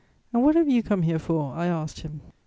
"'And what have you come here for?' I asked him.